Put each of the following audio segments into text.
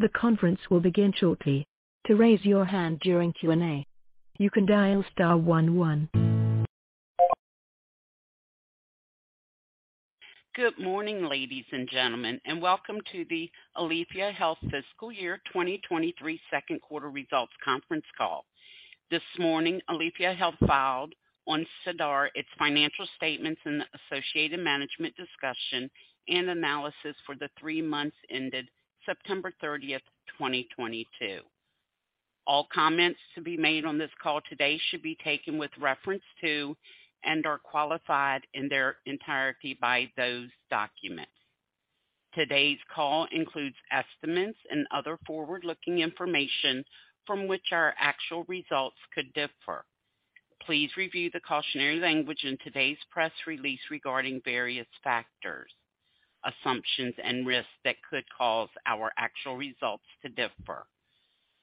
The conference will begin shortly. To raise your hand during Q&A, you can dial star one one. Good morning, ladies and gentlemen, and welcome to the Aleafia Health Fiscal Year 2023 Second Quarter results conference call. This morning, Aleafia Health filed on SEDAR its financial statements and associated management discussion and analysis for the three months ended September 30, 2022. All comments to be made on this call today should be taken with reference to and are qualified in their entirety by those documents. Today's call includes estimates and other forward-looking information from which our actual results could differ. Please review the cautionary language in today's press release regarding various factors, assumptions and risks that could cause our actual results to differ.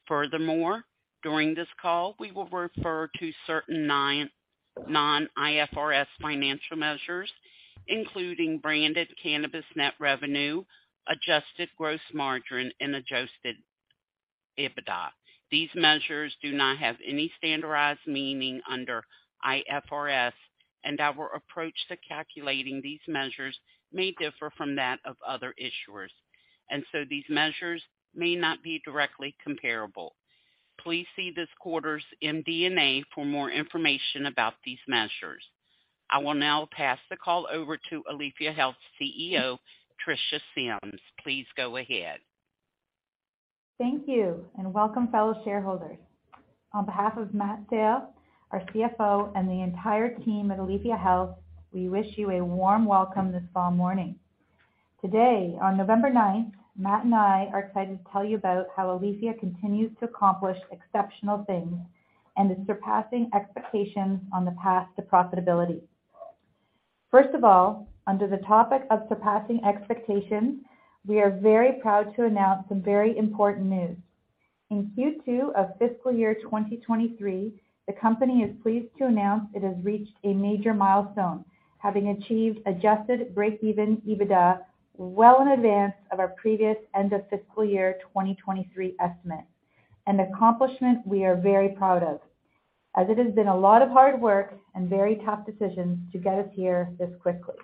Furthermore, during this call, we will refer to certain non-IFRS financial measures, including branded cannabis net revenue, Adjusted gross margin, and Adjusted EBITDA. These measures do not have any standardized meaning under IFRS, and our approach to calculating these measures may differ from that of other issuers, and so these measures may not be directly comparable. Please see this quarter's MD&A for more information about these measures. I will now pass the call over to Aleafia Health's CEO, Tricia Symmes. Please go ahead. Thank you, and welcome, fellow shareholders. On behalf of Matt Sale, our CFO, and the entire team at Aleafia Health, we wish you a warm welcome this fall morning. Today, on November 9th, Matt Sale and I are excited to tell you about how Aleafia continues to accomplish exceptional things and is surpassing expectations on the path to profitability. First of all, under the topic of surpassing expectations, we are very proud to announce some very important news. In Q2 of fiscal year 2023, the company is pleased to announce it has reached a major milestone, having achieved adjusted breakeven EBITDA well in advance of our previous end of fiscal year 2023 estimate. An accomplishment we are very proud of, as it has been a lot of hard work and very tough decisions to get us here this quickly.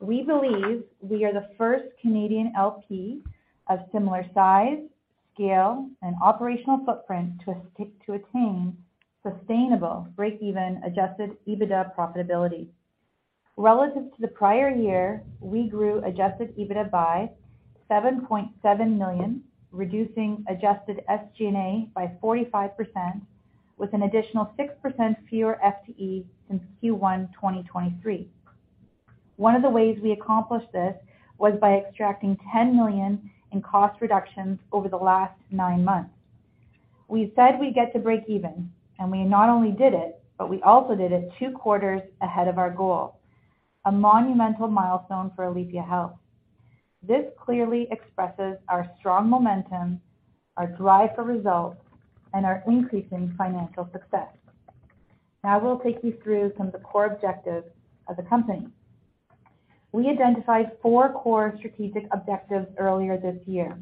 We believe we are the first Canadian LP of similar size, scale, and operational footprint to attain sustainable breakeven Adjusted EBITDA profitability. Relative to the prior year, we grew Adjusted EBITDA by 7.7 million, reducing Adjusted SG&A by 45% with an additional 6% fewer FTE since Q1 2023. One of the ways we accomplished this was by extracting 10 million in cost reductions over the last nine months. We said we'd get to breakeven, and we not only did it, but we also did it two quarters ahead of our goal, a monumental milestone for Aleafia Health. This clearly expresses our strong momentum, our drive for results, and our increasing financial success. Now we'll take you through some of the core objectives of the company. We identified 4 core strategic objectives earlier this year,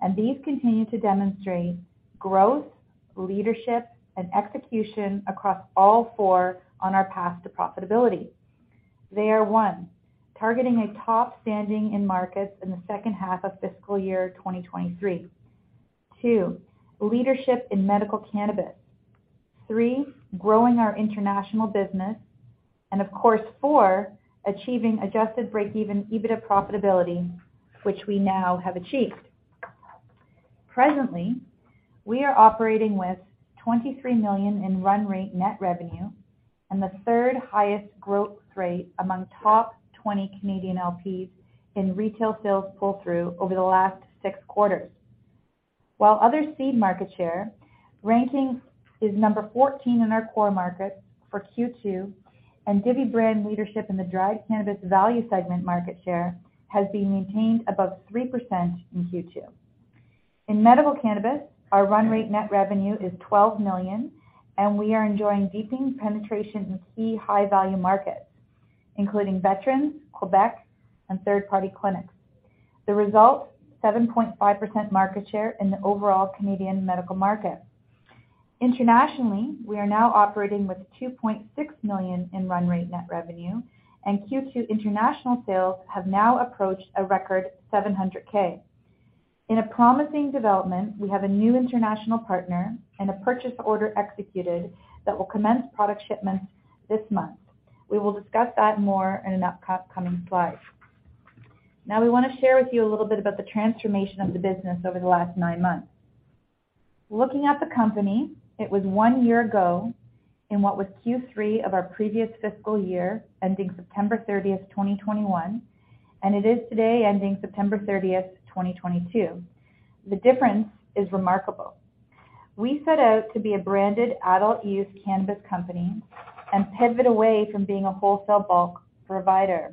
and these continue to demonstrate growth, leadership, and execution across all four on our path to profitability. They are, one, targeting a top standing in markets in the second half of fiscal year 2023. Two, leadership in medical cannabis. Three, growing our international business. And of course, four, achieving adjusted breakeven EBITDA profitability, which we now have achieved. Presently, we are operating with 23 million in run rate net revenue and the third highest growth rate among top 20 Canadian LPs in retail sales pull-through over the last six quarters. While our rec market share ranking is number 14 in our core markets for Q2, and Divvy brand leadership in the dried cannabis value segment market share has been maintained above 3% in Q2. In medical cannabis, our run rate net revenue is 12 million, and we are enjoying deepening penetration in key high-value markets, including veterans, Quebec, and third-party clinics. The result, 7.5% market share in the overall Canadian medical market. Internationally, we are now operating with 2.6 million in run rate net revenue, and Q2 international sales have now approached a record 700,000. In a promising development, we have a new international partner and a purchase order executed that will commence product shipments this month. We will discuss that more in an upcoming slide. Now, we want to share with you a little bit about the transformation of the business over the last nine months. Looking at the company, it was one year ago in what was Q3 of our previous fiscal year, ending September 30, 2021, and it is today ending September 30, 2022. The difference is remarkable. We set out to be a branded adult use cannabis company and pivot away from being a wholesale bulk provider.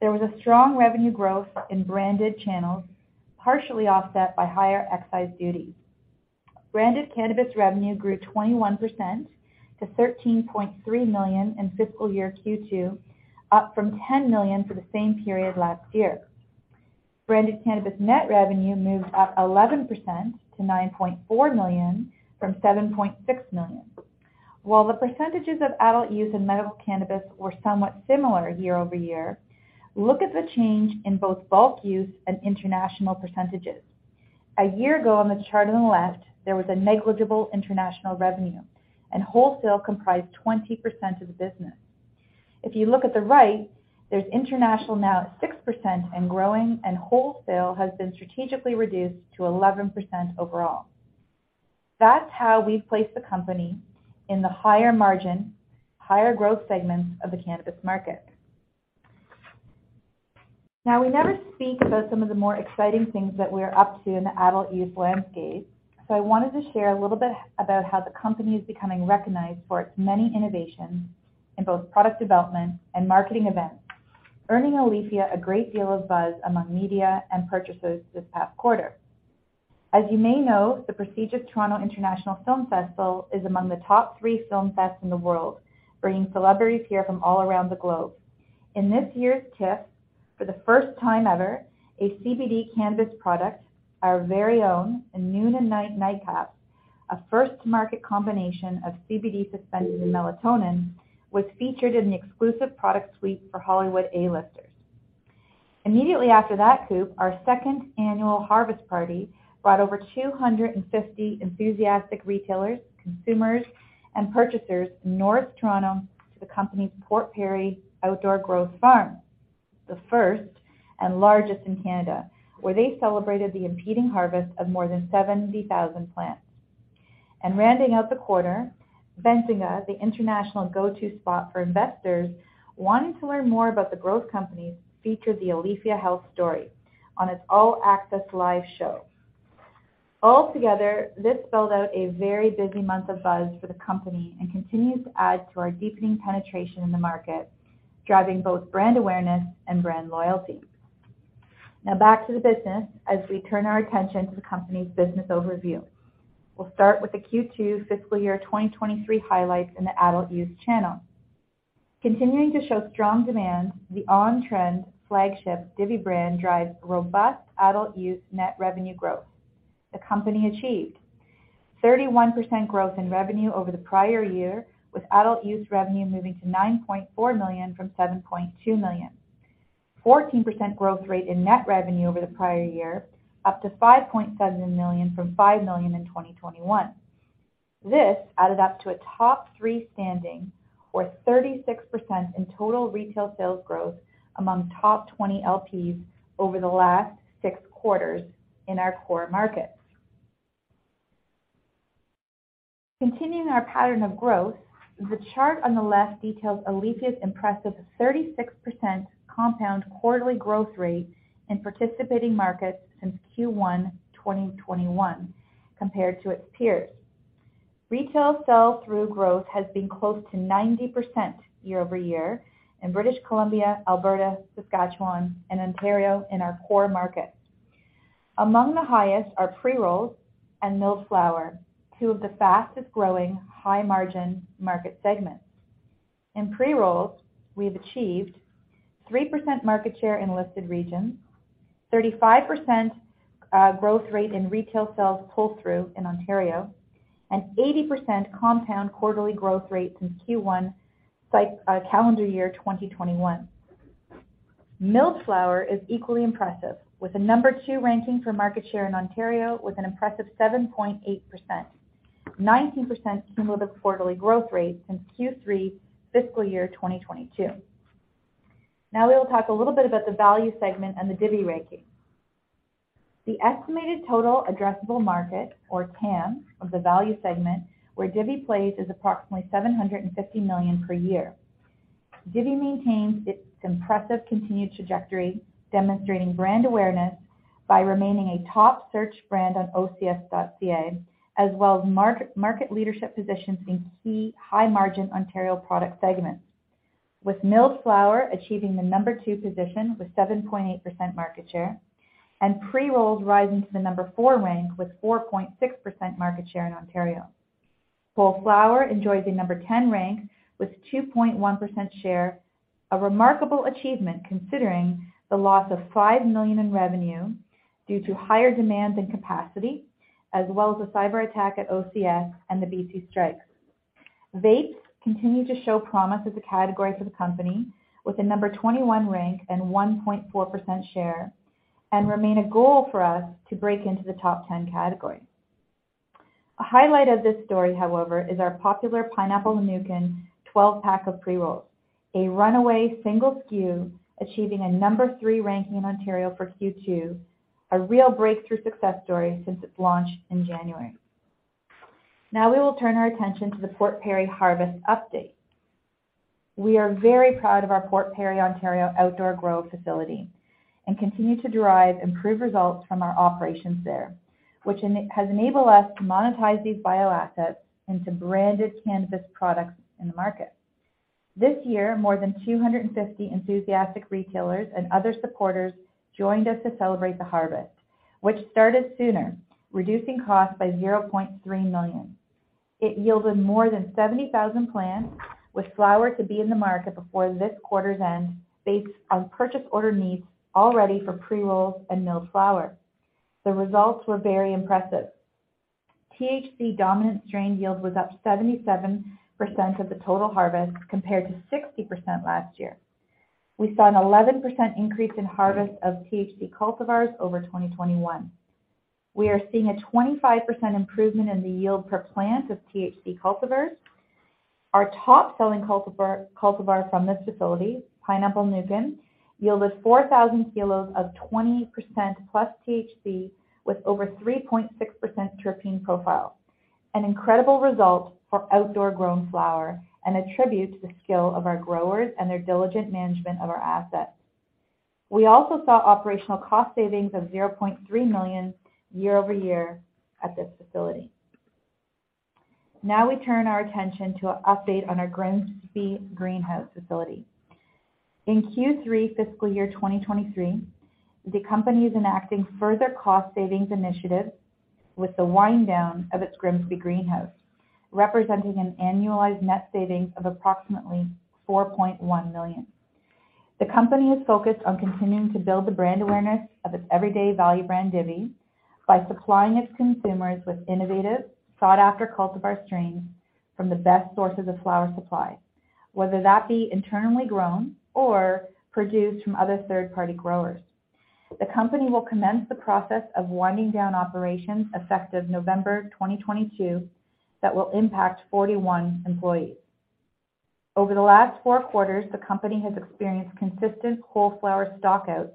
There was a strong revenue growth in branded channels, partially offset by higher excise duty. Branded cannabis revenue grew 21% to 13.3 million in fiscal year Q2, up from 10 million for the same period last year. Branded cannabis net revenue moved up 11% to 9.4 million from 7.6 million. While the percentages of adult use in medical cannabis were somewhat similar year-over-year, look at the change in both bulk use and international percentages. A year ago on the chart on the left, there was a negligible international revenue, and wholesale comprised 20% of the business. If you look at the right, there's international now at 6% and growing, and wholesale has been strategically reduced to 11% overall. That's how we've placed the company in the higher margin, higher growth segments of the cannabis market. Now, we never speak about some of the more exciting things that we're up to in the adult-use landscape, so I wanted to share a little bit about how the company is becoming recognized for its many innovations in both product development and marketing events, earning Aleafia a great deal of buzz among media and purchasers this past quarter. As you may know, the prestigious Toronto International Film Festival is among the top 3 film fests in the world, bringing celebrities here from all around the globe. In this year's TIFF, for the first time ever, a CBD cannabis product, our very own Noon & Night Nitecaps, a first-to-market combination of CBD suspended in melatonin, was featured in the exclusive product suite for Hollywood A-listers. Immediately after that coup, our Second Annual Harvest Party brought over 250 enthusiastic retailers, consumers, and purchasers from North Toronto to the company's Port Perry outdoor growth farm, the first and largest in Canada, where they celebrated the impending harvest of more than 70,000 plants. Rounding out the quarter, Benzinga, the international go-to spot for investors wanting to learn more about the growth companies, featured the Aleafia Health story on its all-access live show. Altogether, this spelled out a very busy month of buzz for the company and continues to add to our deepening penetration in the market, driving both brand awareness and brand loyalty. Now back to the business as we turn our attention to the company's business overview. We'll start with the Q2 fiscal year 2023 highlights in the adult use channel. Continuing to show strong demand, the on-trend flagship Divvy brand drives robust adult use net revenue growth. The company achieved 31% growth in revenue over the prior year, with adult use revenue moving to 9.4 million from 7.2 million. 14% growth rate in net revenue over the prior year, up to 5.7 million from 5 million in 2021. This added up to a top three standing or 36% in total retail sales growth among top 20 LPs over the last six quarters in our core markets. Continuing our pattern of growth, the chart on the left details Aleafia's impressive 36% compound quarterly growth rate in participating markets since Q1 2021 compared to its peers. Retail sell-through growth has been close to 90% year-over-year in British Columbia, Alberta, Saskatchewan, and Ontario in our core markets. Among the highest are Pre-rolls and Milled flower, two of the fastest-growing high-margin market segments. In Pre-rolls, we have achieved 3% market share in listed regions, 35% growth rate in retail sales pull-through in Ontario, and 80% compound quarterly growth rate since Q1 calendar year 2021. Milled flower is equally impressive, with a number two ranking for market share in Ontario with an impressive 7.8%. 19% cumulative quarterly growth rate since Q3 fiscal year 2022. Now we will talk a little bit about the value segment and the Divvy ranking. The estimated total addressable market, or TAM, of the value segment where Divvy plays is approximately 750 million per year. Divvy maintains its impressive continued trajectory, demonstrating brand awareness by remaining a top search brand on OCS.ca, as well as market leadership positions in key high-margin Ontario product segments, with Milled flower achieving the number two position with 7.8% market share and Pre-rolls rising to the number four rank with 4.6% market share in Ontario. Whole flower enjoys a 10 rank with 2.1% share, a remarkable achievement considering the loss of 5 million in revenue due to higher demand and capacity, as well as a cyberattack at OCS and the B.C. strike. Vapes continue to show promise as a category for the company with a 21 rank and 1.4% share and remain a goal for us to break into the top ten category. A highlight of this story, however, is our popular Pineapple Nuken 12-pack of Pre-rolls, a runaway single SKU achieving a number three ranking in Ontario for Q2, a real breakthrough success story since its launch in January. Now we will turn our attention to the Port Perry harvest update. We are very proud of our Port Perry, Ontario outdoor growth facility and continue to derive improved results from our operations there, which has enabled us to monetize these bio-assets into branded cannabis products in the market. This year, more than 250 enthusiastic retailers and other supporters joined us to celebrate the harvest, which started sooner, reducing costs by 0.3 million. It yielded more than 70,000 plants, with flower to be in the market before this quarter's end based on purchase order needs, all ready for Pre-rolls and Milled flower. The results were very impressive. THC-dominant strain yield was up 77% of the total harvest, compared to 60% last year. We saw an 11% increase in harvest of THC cultivars over 2021. We are seeing a 25% improvement in the yield per plant of THC cultivars. Our top-selling cultivar from this facility, Pineapple Muffin, yielded 4,000 kg of 20%+ THC with over 3.6% terpene profile, an incredible result for outdoor-grown flower and a tribute to the skill of our growers and their diligent management of our assets. We also saw operational cost savings of 0.3 million year-over-year at this facility. Now we turn our attention to an update on our Grimsby greenhouse facility. In Q3 fiscal year 2023, the company is enacting further cost savings initiatives with the wind down of its Grimsby greenhouse, representing an annualized net savings of approximately 4.1 million. The company is focused on continuing to build the brand awareness of its everyday value brand, Divvy, by supplying its consumers with innovative, sought-after cultivar strains from the best sources of flower supply, whether that be internally grown or produced from other third-party growers. The company will commence the process of winding down operations effective November 2022 that will impact 41 employees. Over the last four quarters, the company has experienced consistent whole flower stockouts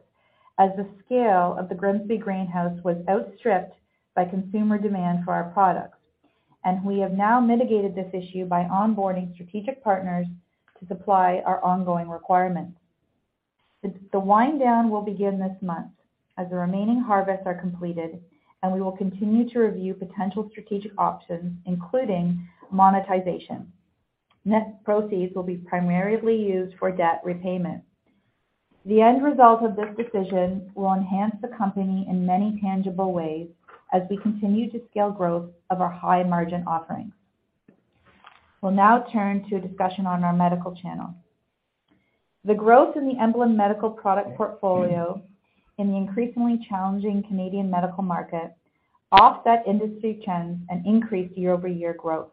as the scale of the Grimsby greenhouse was outstripped by consumer demand for our products, and we have now mitigated this issue by onboarding strategic partners to supply our ongoing requirements. The wind down will begin this month as the remaining harvests are completed, and we will continue to review potential strategic options, including monetization. Net proceeds will be primarily used for debt repayment. The end result of this decision will enhance the company in many tangible ways as we continue to scale growth of our high-margin offerings. We'll now turn to a discussion on our medical channel. The growth in the Emblem medical product portfolio in the increasingly challenging Canadian medical market offset industry trends and increased year-over-year growth.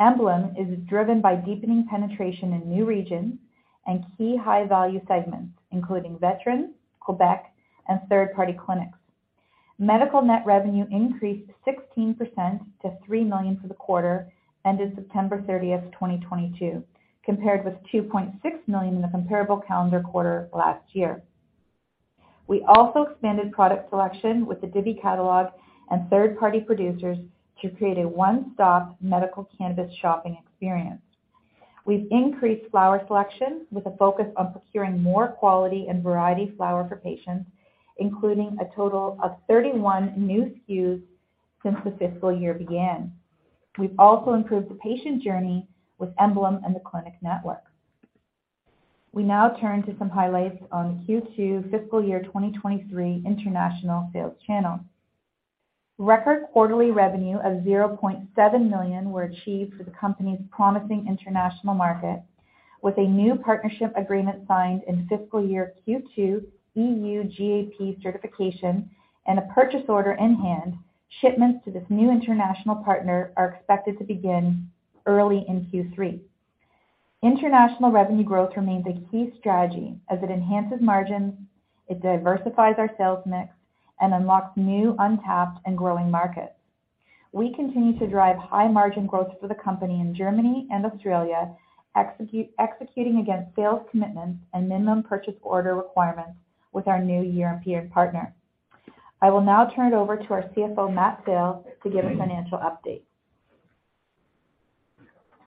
Emblem is driven by deepening penetration in new regions and key high-value segments, including veterans, Québec, and third-party clinics. Medical net revenue increased 16% to 3 million for the quarter ended September 30th, 2022, compared with 2.6 million in the comparable calendar quarter last year. We also expanded product selection with the Divvy catalog and third-party producers to create a one-stop medical cannabis shopping experience. We've increased flower selection with a focus on procuring more quality and variety flower for patients, including a total of 31 new SKUs since the fiscal year began. We've also improved the patient journey with Emblem and the clinic network. We now turn to some highlights on Q2 fiscal year 2023 international sales channel. Record quarterly revenue of CAD 0.7 million were achieved for the company's promising international market. With a new partnership agreement signed in fiscal year Q2, EU-GMP certification, and a purchase order in hand, shipments to this new international partner are expected to begin early in Q3. International revenue growth remains a key strategy as it enhances margins, it diversifies our sales mix, and unlocks new, untapped, and growing markets. We continue to drive high-margin growth for the company in Germany and Australia, executing against sales commitments and minimum purchase order requirements with our new EU partner. I will now turn it over to our CFO, Matt Sale, to give a financial update.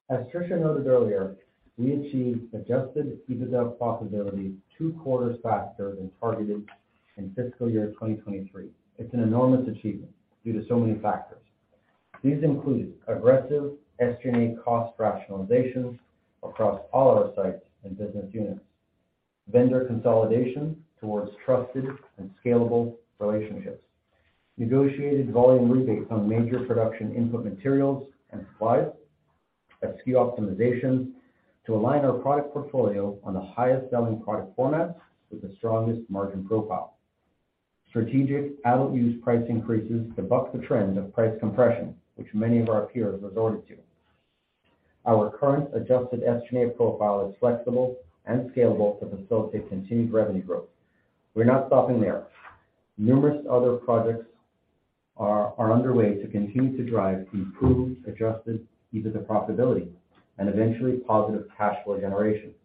As Tricia noted earlier, we achieved Adjusted EBITDA profitability two quarters faster than targeted in fiscal year 2023. It's an enormous achievement due to so many factors. These include aggressive SG&A cost rationalizations across all our sites and business units, vendor consolidation towards trusted and scalable relationships, negotiated volume rebates on major production input materials and supplies, SKU optimization to align our product portfolio on the highest-selling product formats with the strongest margin profile. Strategic adult use price increases to buck the trend of price compression, which many of our peers resorted to. Our current Adjusted SG&A profile is flexible and scalable to facilitate continued revenue growth. We're not stopping there. Numerous other projects are underway to continue to drive improved Adjusted EBITDA profitability and eventually positive cash flow generation.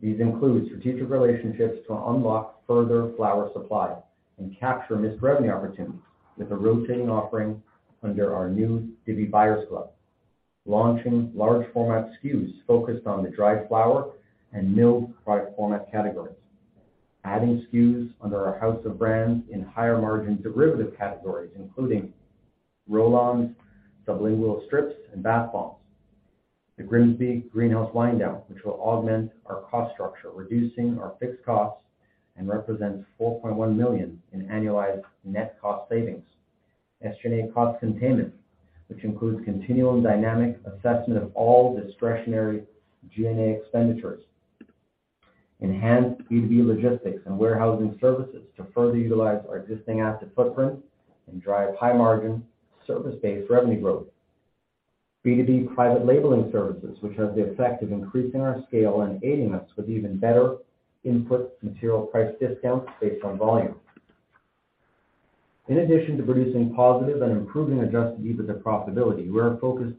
These include strategic relationships to unlock further flower supply and capture missed revenue opportunities with a rotating offering under our new Divvy Buyers Club, launching large format SKUs focused on the dried flower and milled product format categories. Adding SKUs under our house of brands in higher margin derivative categories, including roll-ons, sublingual strips, and bath bombs. The Grimsby greenhouse wind down, which will augment our cost structure, reducing our fixed costs and represents 4.1 million in annualized net cost savings. SG&A cost containment, which includes continual and dynamic assessment of all discretionary G&A expenditures. Enhanced B2B logistics and warehousing services to further utilize our existing asset footprint and drive high-margin, service-based revenue growth. B2B private labeling services, which have the effect of increasing our scale and aiding us with even better input material price discounts based on volume. In addition to producing positive and improving Adjusted EBITDA profitability, we are focused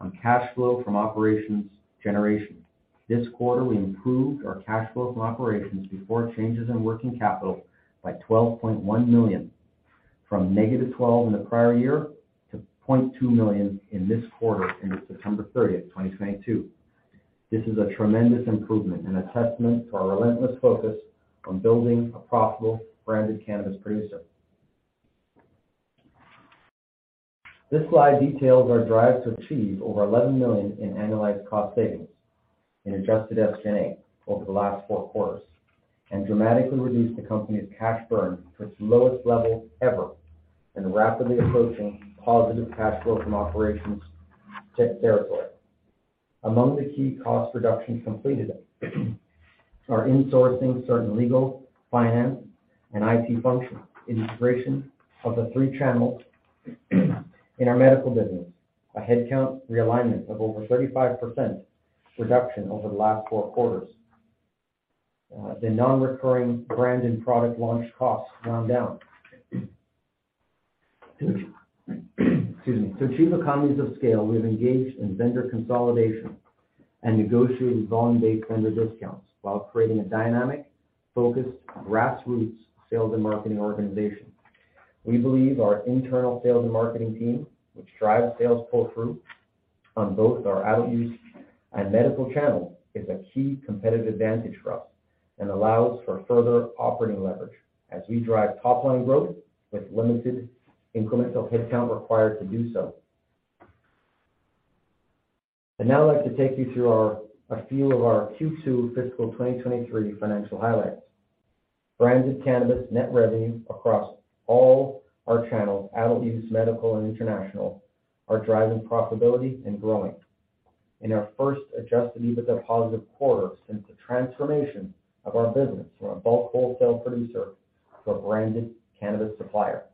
on cash flow from operations generation. This quarter, we improved our cash flow from operations before changes in working capital by 12.1 million from -12 million in the prior year to 0.2 million in this quarter ending December 30, 2022. This is a tremendous improvement and a testament to our relentless focus on building a profitable branded cannabis producer. This slide details our drive to achieve over 11 million in annualized cost savings in Adjusted SG&A over the last four quarters and dramatically reduce the company's cash burn to its lowest level ever and rapidly approaching positive cash flow from operations territory. Among the key cost reductions completed are insourcing certain legal, finance, and IT functions, integration of the three channels in our medical business, a headcount realignment of over 35% over the last four quarters. The non-recurring brand and product launch costs wound down. Excuse me. To achieve economies of scale, we have engaged in vendor consolidation and negotiated volume-based vendor discounts while creating a dynamic, focused, grassroots sales and marketing organization. We believe our internal sales and marketing team, which drives sales pull-through on both our adult use and medical channels, is a key competitive advantage for us and allows for further operating leverage as we drive top-line growth with limited incremental headcount required to do so. I'd now like to take you through a few of our Q2 fiscal 2023 financial highlights. Branded cannabis net revenue across all our channels, adult use, medical, and international, are driving profitability and growing. In our first Adjusted EBITDA positive quarter since the transformation of our business from a bulk wholesale producer to a branded cannabis supplier.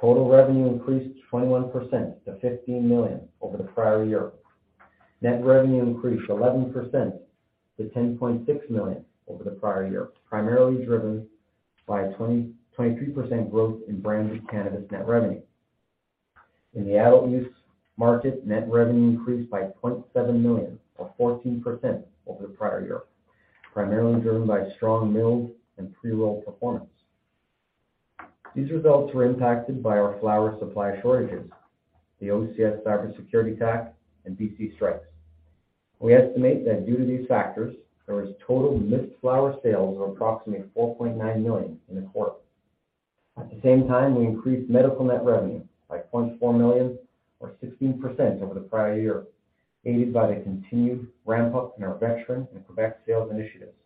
Total revenue increased 21% to 15 million over the prior year. Net revenue increased 11% to 10.6 million over the prior year, primarily driven by a 23% growth in branded cannabis net revenue. In the adult use market, net revenue increased by 0.7 million or 14% over the prior year, primarily driven by strong milled and pre-rolled performance. These results were impacted by our flower supply shortages, the OCS cybersecurity attack, and B.C. strikes. We estimate that due to these factors, there was total missed flower sales of approximately 4.9 million in the quarter. At the same time, we increased medical net revenue by 0.4 million or 16% over the prior year, aided by the continued ramp-up in our veteran and Quebec sales initiatives.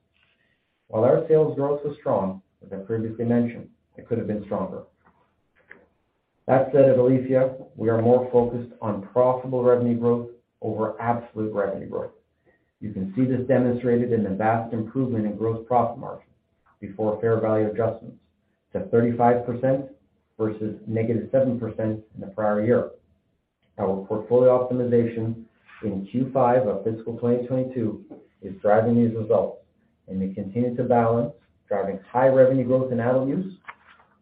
While our sales growth was strong, as I previously mentioned, it could have been stronger. That said, at Aleafia, we are more focused on profitable revenue growth over absolute revenue growth. You can see this demonstrated in the vast improvement in gross profit margin before fair value adjustments to 35% versus -7% in the prior year. Our portfolio optimization in Q5 of fiscal 2022 is driving these results, and we continue to balance driving high revenue growth in adult use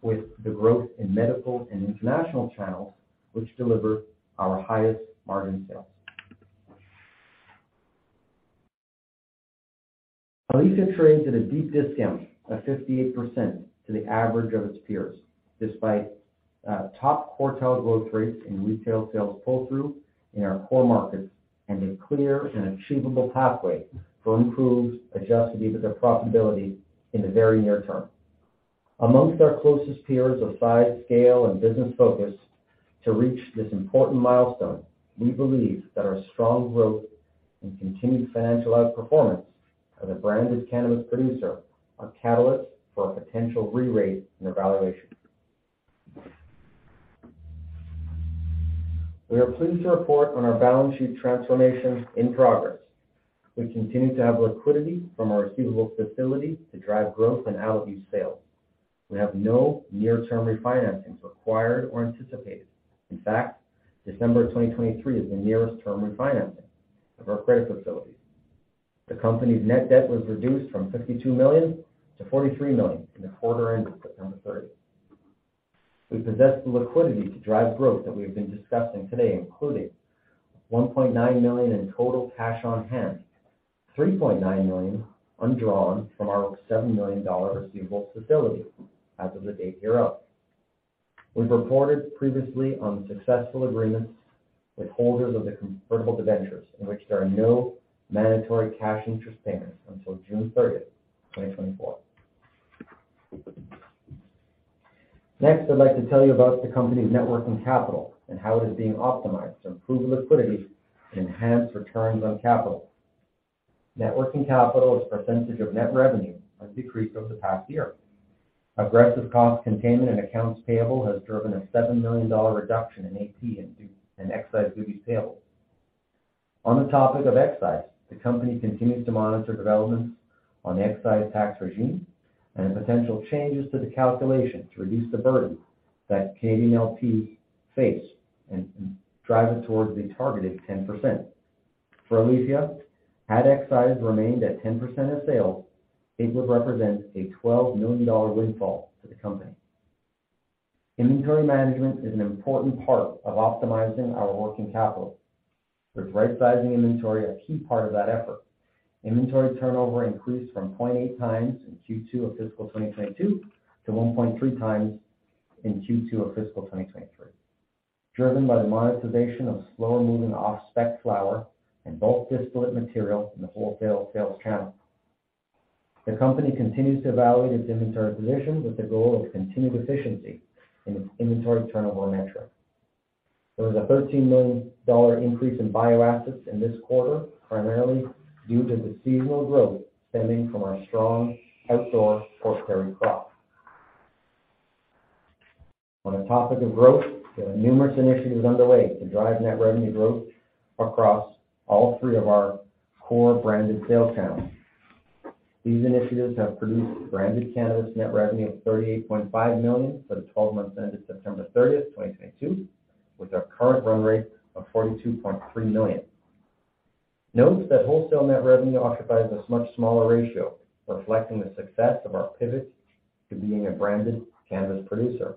with the growth in medical and international channels, which deliver our highest-margin sales. Aleafia trades at a deep discount of 58% to the average of its peers, despite top-quartile growth rates in retail sales pull-through in our core markets and a clear and achievable pathway for improved, Adjusted EBITDA profitability in the very near term. Among our closest peers of size, scale, and business focus to reach this important milestone, we believe that our strong growth and continued financial outperformance as a branded cannabis producer are catalysts for a potential re-rate in the valuation. We are pleased to report on our balance sheet transformation in progress. We continue to have liquidity from our receivable facility to drive growth in adult use sales. We have no near-term refinancings required or anticipated. In fact, December 2023 is the nearest term refinancing of our credit facility. The company's net debt was reduced from 52 million to 43 million in the quarter ending December 30th. We possess the liquidity to drive growth that we have been discussing today, including 1.9 million in total cash on hand, 3.9 million undrawn from our 7 million dollar receivable facility as of the date hereof. We've reported previously on successful agreements with holders of the convertible debentures in which there are no mandatory cash interest payments until June 30th, 2024. Next, I'd like to tell you about the company's net working capital and how it is being optimized to improve liquidity and enhance returns on capital. Net working capital as a percentage of net revenue has decreased over the past year. Aggressive cost containment and accounts payable has driven a 7 million dollar reduction in AP and due and excise duties payable. On the topic of excise, the company continues to monitor developments on the excise tax regime and potential changes to the calculation to reduce the burden that Canadian LPs face and drive it towards the targeted 10%. For Aleafia, had excise remained at 10% of sales, it would represent a 12 million dollar windfall to the company. Inventory management is an important part of optimizing our working capital, with rightsizing inventory a key part of that effort. Inventory turnover increased from 0.8x in Q2 of fiscal 2022 to 1.3x in Q2 of fiscal 2023, driven by the monetization of slower-moving off-spec flower and bulk distillate material in the wholesale sales channel. The company continues to evaluate its inventory position with the goal of continued efficiency in its inventory turnover metric. There was a 13 million dollar increase in bio-assets in this quarter, primarily due to the seasonal growth stemming from our strong outdoor Port Perry crop. On the topic of growth, there are numerous initiatives underway to drive net revenue growth across all three of our core branded sales channels. These initiatives have produced branded cannabis net revenue of 38.5 million for the twelve months ended September 30, 2022, with our current run rate of 42.3 million. Note that wholesale net revenue occupies a much smaller ratio, reflecting the success of our pivot to being a branded cannabis producer.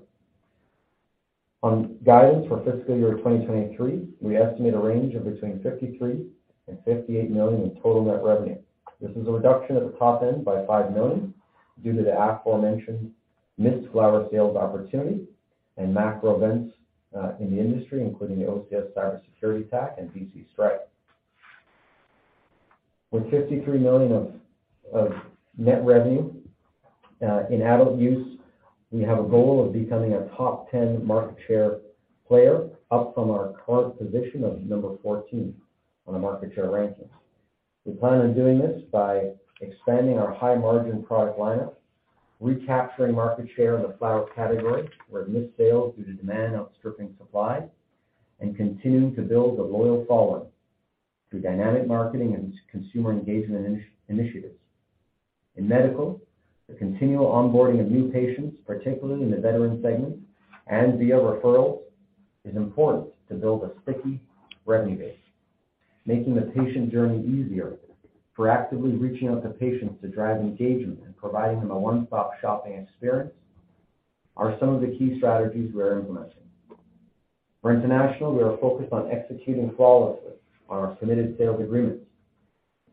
On guidance for fiscal year 2023, we estimate a range of between 53 million and 58 million in total net revenue. This is a reduction at the top end by 5 million due to the aforementioned missed flower sales opportunity and macro events in the industry, including the OCS cybersecurity attack and B.C. strike. With 53 million of net revenue in adult use, we have a goal of becoming a top 10 market share player, up from our current position of number 14 on the market share rankings. We plan on doing this by expanding our high-margin product lineup, recapturing market share in the flower category, where we missed sales due to demand outstripping supply, and continuing to build a loyal following through dynamic marketing and consumer engagement initiatives. In medical, the continual onboarding of new patients, particularly in the veteran segment and via referrals, is important to build a sticky revenue base. Making the patient journey easier, proactively reaching out to patients to drive engagement, and providing them a one-stop shopping experience are some of the key strategies we are implementing. For international, we are focused on executing flawlessly on our committed sales agreements,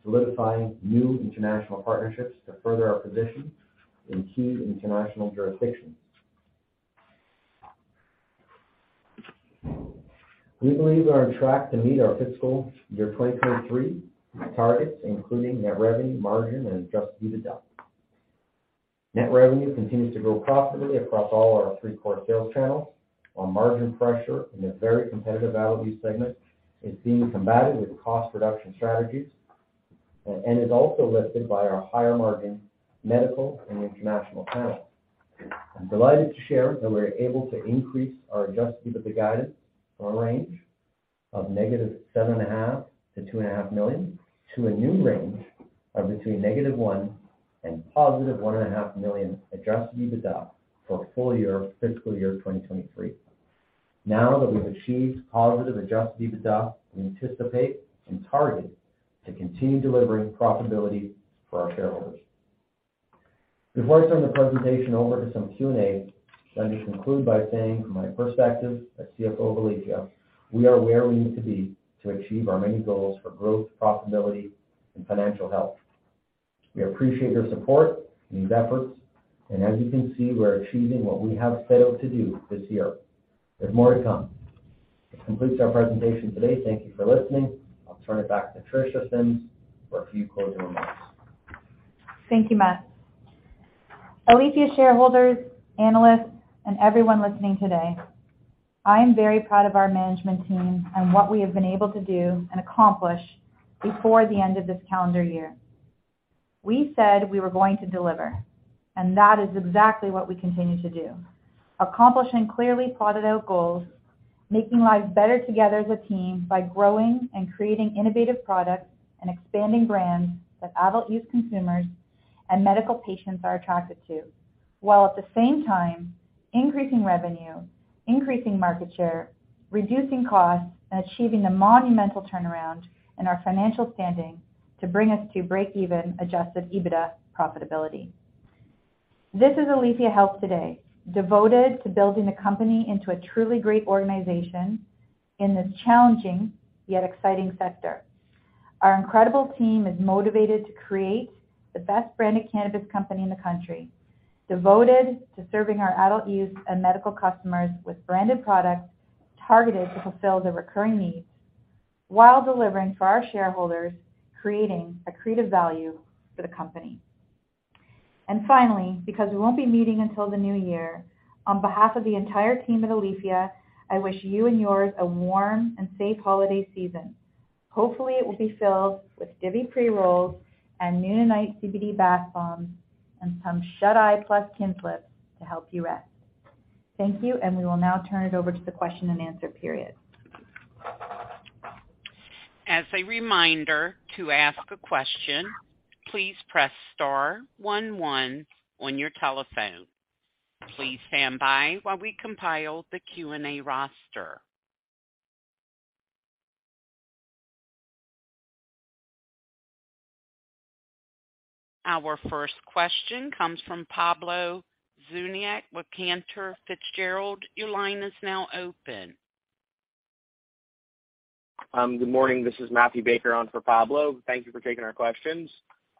solidifying new international partnerships to further our position in key international jurisdictions. We believe we are on track to meet our fiscal year 2023 targets, including net revenue, margin, and Adjusted EBITDA. Net revenue continues to grow profitably across all our three core sales channels, while margin pressure in the very competitive adult-use segment is being combated with cost reduction strategies and is also lifted by our higher-margin medical and international channels. I'm delighted to share that we're able to increase our Adjusted EBITDA guidance from a range of -7.5 million-2.5 million, to a new range of between -1 million and +1.5 million Adjusted EBITDA for full year fiscal year 2023. Now that we've achieved positive Adjusted EBITDA, we anticipate and target to continue delivering profitability for our shareholders. Before I turn the presentation over to some Q&A, let me conclude by saying from my perspective as CFO of Aleafia, we are where we need to be to achieve our many goals for growth, profitability, and financial health. We appreciate your support in these efforts, and as you can see, we're achieving what we have failed to do this year. There's more to come. This completes our presentation today. Thank you for listening. I'll turn it back to Tricia Symmes for a few closing remarks. Thank you, Matt. Aleafia shareholders, analysts, and everyone listening today, I am very proud of our management team and what we have been able to do and accomplish before the end of this calendar year. We said we were going to deliver, and that is exactly what we continue to do. Accomplishing clearly plotted out goals, making lives better together as a team by growing and creating innovative products and expanding brands that adult-use consumers and medical patients are attracted to, while at the same time increasing revenue, increasing market share, reducing costs, and achieving a monumental turnaround in our financial standing to bring us to breakeven Adjusted EBITDA profitability. This is Aleafia Health today, devoted to building the company into a truly great organization in this challenging yet exciting sector. Our incredible team is motivated to create the best branded cannabis company in the country, devoted to serving our adult use and medical customers with branded products targeted to fulfill their recurring needs while delivering for our shareholders, creating accretive value for the company. Finally, because we won't be meeting until the new year, on behalf of the entire team at Aleafia, I wish you and yours a warm and safe holiday season. Hopefully, it will be filled with Divvy pre-rolls and Noon & Night CBD bath bombs and some Shut Eye Plus sublingual strips to help you rest. Thank you, and we will now turn it over to the question-and-answer period. As a reminder, to ask a question, please press star one one on your telephone. Please stand by while we compile the Q&A roster. Our first question comes from Pablo Zuanic with Cantor Fitzgerald. Your line is now open. Good morning. This is Matthew Baker on for Pablo. Thank you for taking our questions.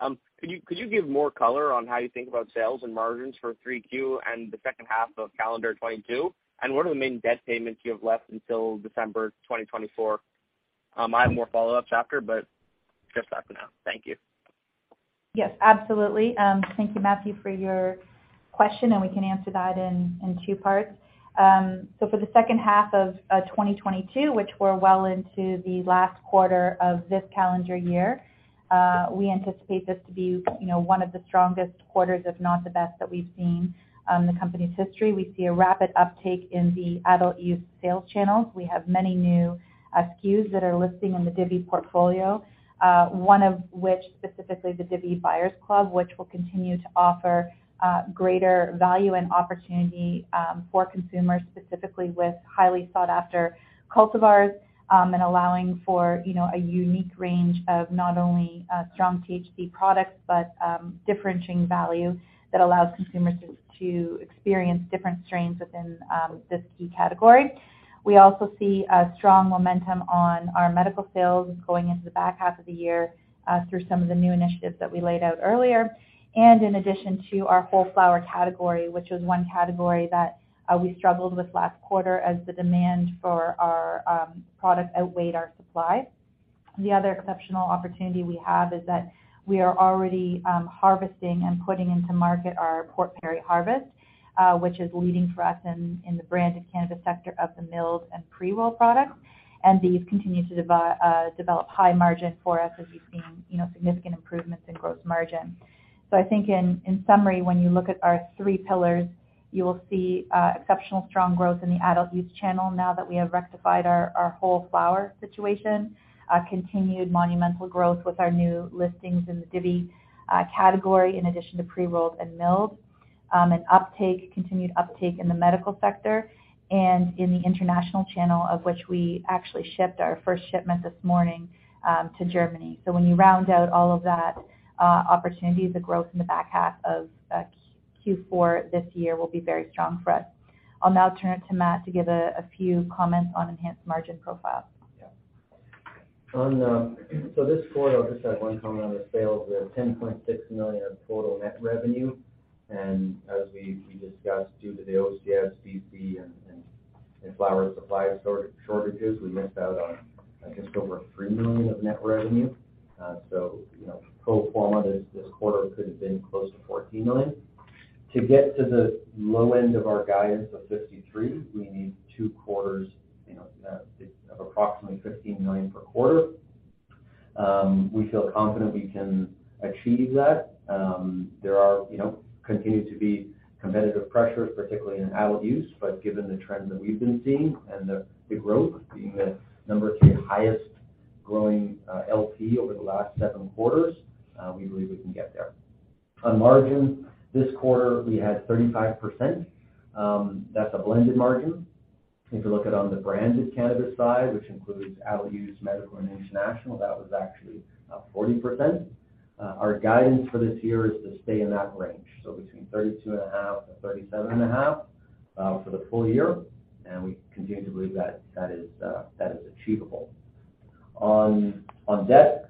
Could you give more color on how you think about sales and margins for 3Q and the second half of calendar 2022, and what are the main debt payments you have left until December 2024? I have more follow-ups after, but just that for now. Thank you. Yes, absolutely. Thank you, Matthew, for your question, and we can answer that in two parts. For the second half of 2022, which we're well into the last quarter of this calendar year, we anticipate this to be, you know, one of the strongest quarters, if not the best that we've seen in the company's history. We see a rapid uptake in the adult-use sales channels. We have many new SKUs that are listing in the Divvy portfolio, one of which, specifically the Divvy Buyers Club, which will continue to offer greater value and opportunity for consumers, specifically with highly sought-after cultivars, and allowing for, you know, a unique range of not only strong THC products, but differentiating value that allows consumers to experience different strains within this key category. We also see a strong momentum on our medical sales going into the back half of the year through some of the new initiatives that we laid out earlier. In addition to our whole flower category, which was one category that we struggled with last quarter as the demand for our product outweighed our supply. The other exceptional opportunity we have is that we are already harvesting and putting into market our Port Perry harvest, which is leading for us in the branded cannabis sector of the milled and pre-roll products. These continue to develop high margin for us as we've seen, you know, significant improvements in gross margin. I think in summary, when you look at our three pillars, you will see exceptional strong growth in the adult use channel now that we have rectified our whole flower situation, continued monumental growth with our new listings in the Divvy category, in addition to pre-rolls and milled, an uptake, continued uptake in the medical sector and in the international channel, of which we actually shipped our first shipment this morning to Germany. When you round out all of that opportunity, the growth in the back half of Q4 this year will be very strong for us. I'll now turn it to Matt to give a few comments on enhanced margin profile. This quarter, I'll just have one comment on the sales. We have 10.6 million of total net revenue. As we discussed, due to the OCS, CP, and flower supply shortages, we missed out on, I guess, over 3 million of net revenue. You know, pro forma this quarter could have been close to 14 million. To get to the low end of our guidance of 53 million, we need two quarters, you know, of approximately 15 million per quarter. We feel confident we can achieve that. There continue to be competitive pressures, particularly in adult-use. Given the trends that we've been seeing and the growth, being the number two highest growing LP over the last seven quarters, we believe we can get there. On margin, this quarter, we had 35%. That's a blended margin. If you look at the branded cannabis side, which includes adult-use, medical and international, that was actually 40%. Our guidance for this year is to stay in that range, so between 32.5%-37.5%, for the full year, and we continue to believe that is achievable. On debt,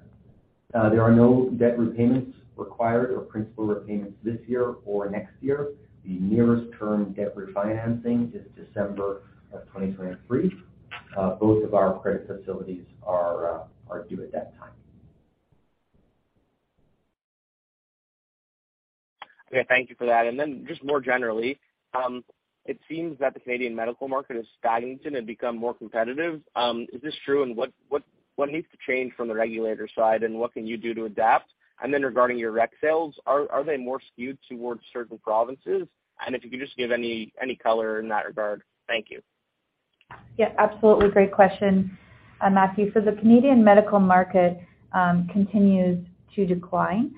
there are no debt repayments required or principal repayments this year or next year. The nearest-term debt refinancing is December 2023. Both of our credit facilities are due at that time. Okay. Thank you for that. Just more generally, it seems that the Canadian medical market is stagnant and become more competitive. Is this true? What needs to change from the regulatory side, and what can you do to adapt? Regarding your rec sales, are they more skewed towards certain provinces? If you could just give any color in that regard. Thank you. Yeah, absolutely. Great question. Matthew, the Canadian medical market continues to decline.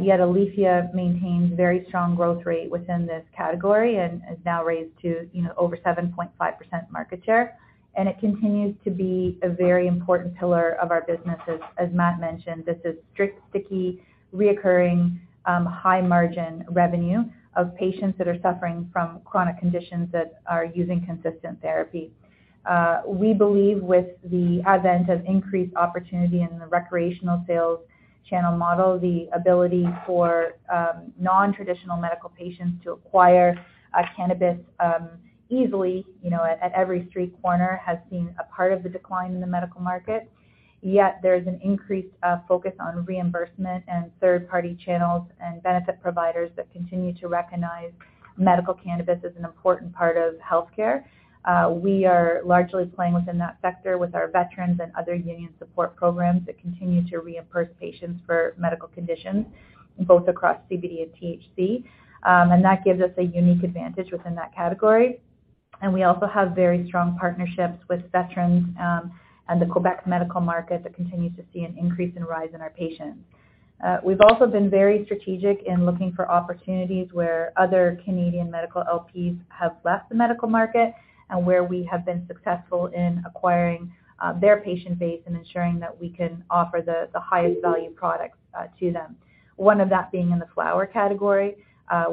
Yet Aleafia maintains very strong growth rate within this category and has now raised to, you know, over 7.5% market share. It continues to be a very important pillar of our business. As Matt mentioned, this is strict, sticky, reoccurring, high-margin revenue of patients that are suffering from chronic conditions that are using consistent therapy. We believe with the advent of increased opportunity in the recreational sales channel model, the ability for non-traditional medical patients to acquire cannabis easily, you know, at every street corner has been a part of the decline in the medical market. Yet there is an increased focus on reimbursement and third-party channels and benefit providers that continue to recognize medical cannabis as an important part of healthcare. We are largely playing within that sector with our veterans and other union support programs that continue to reimburse patients for medical conditions, both across CBD and THC. That gives us a unique advantage within that category. We also have very strong partnerships with veterans, and the Quebec medical market that continues to see an increase in rise in our patients. We've also been very strategic in looking for opportunities where other Canadian medical LPs have left the medical market and where we have been successful in acquiring their patient base and ensuring that we can offer the highest value products to them. One of that being in the flower category,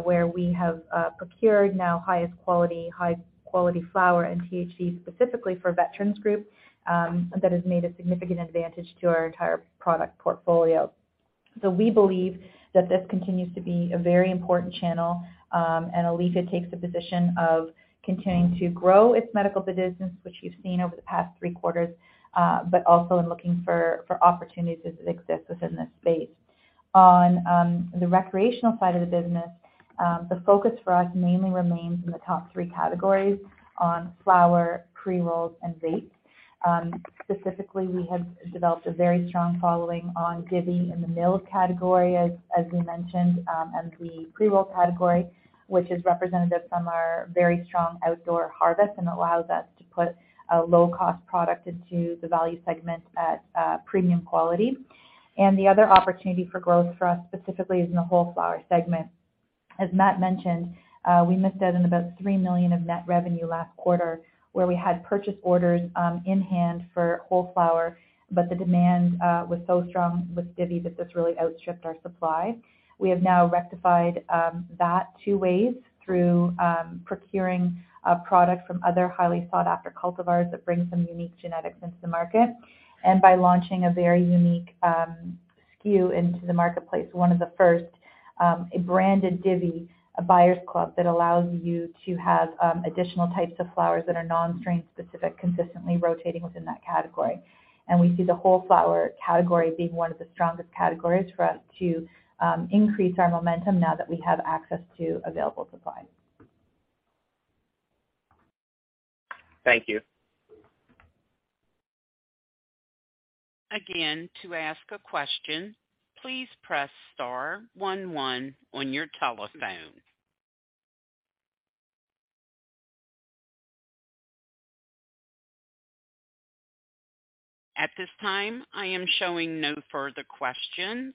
where we have procured now highest quality, high quality flower and THC specifically for veterans group that has made a significant advantage to our entire product portfolio. We believe that this continues to be a very important channel, and Aleafia takes a position of continuing to grow its medical business, which you've seen over the past three quarters, but also in looking for opportunities as it exists within this space. On the recreational side of the business, the focus for us mainly remains in the top three categories on flower, Pre-rolls, and vapes. Specifically, we have developed a very strong following on Divvy in the milled category, as we mentioned, and the Pre-roll category, which is representative from our very strong outdoor harvest and allows us to put a low-cost product into the value segment at premium quality. The other opportunity for growth for us specifically is in the whole flower segment. As Matt mentioned, we missed out on about 3 million of net revenue last quarter, where we had purchase orders in hand for whole flower, but the demand was so strong with Divvy that this really outstripped our supply. We have now rectified that two ways through procuring a product from other highly sought-after cultivars that bring some unique genetics into the market, and by launching a very unique SKU into the marketplace, one of the first, a branded Divvy Buyers Club that allows you to have additional types of flowers that are non-strain specific, consistently rotating within that category. We see the whole flower category being one of the strongest categories for us to increase our momentum now that we have access to available supply. Thank you. Again, to ask a question, please press star one one on your telephone. At this time, I am showing no further questions.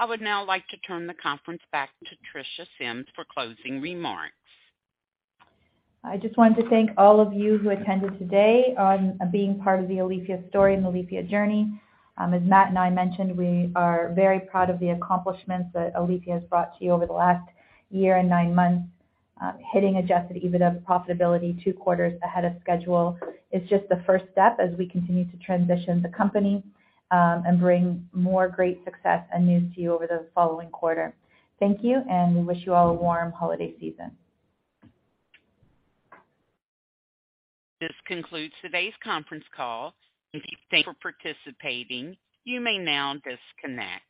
I would now like to turn the conference back to Tricia Symmes for closing remarks. I just wanted to thank all of you who attended today on being part of the Aleafia story and the Aleafia journey. As Matt and I mentioned, we are very proud of the accomplishments that Aleafia has brought to you over the last year and nine months. Hitting Adjusted EBITDA profitability two quarters ahead of schedule is just the first step as we continue to transition the company, and bring more great success and news to you over the following quarter. Thank you, and we wish you all a warm holiday season. This concludes today's conference call. Thank you for participating. You may now disconnect.